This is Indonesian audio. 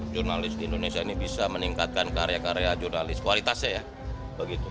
jurnalis di indonesia ini bisa meningkatkan karya karya jurnalis kualitasnya ya begitu